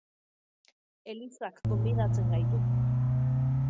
Elizak gonbidatzen gaitu.